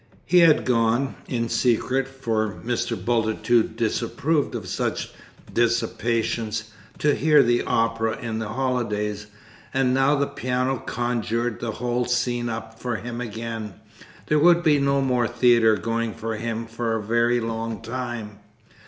He had gone (in secret, for Mr. Bultitude disapproved of such dissipations) to hear the Opera in the holidays, and now the piano conjured the whole scene up for him again there would be no more theatre going for him for a very long time!